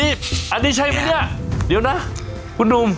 นี่ไหนใช่มั้ยเนี่ยเดี๋ยวนะคุณหนุ่ม